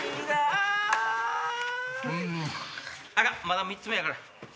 まだ３つ目やから。